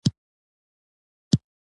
معمولاً به یې لاروي آزارول.